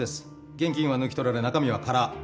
現金は抜き取られ中身は空。